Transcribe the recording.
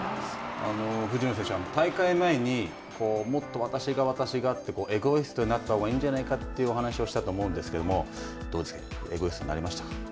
藤野選手、大会前にもっと私が私がって、エゴイストになったほうがいいんじゃないかという話をしたと思いますが、どうですか、エゴイストになれましたか。